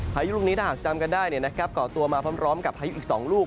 พายุลูกนี้ถ้าหากจำกันได้ก่อตัวมาพร้อมกับพายุอีก๒ลูก